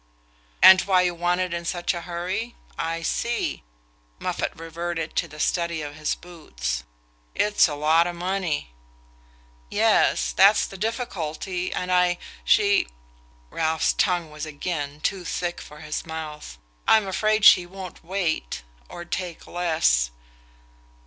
"And why you want it in such a hurry. I see." Moffatt reverted to the study of his boots. "It's a lot of money." "Yes. That's the difficulty. And I...she..." Ralph's tongue was again too thick for his mouth. "I'm afraid she won't wait...or take less..."